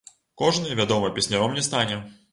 Кожны, вядома, песняром не стане.